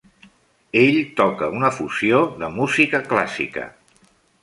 Ell toca una fusió de música clàssica.